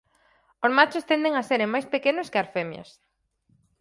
Os machos tenden a seren máis pequenos que as femias.